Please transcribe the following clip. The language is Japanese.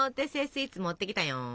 スイーツ持ってきたよん！